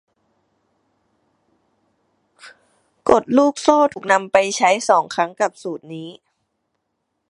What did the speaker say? กฎลูกโซ่ถูกนำไปใช้สองครั้งกับสูตรนี้